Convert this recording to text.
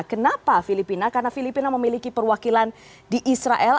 kenapa filipina karena filipina memiliki perwakilan di israel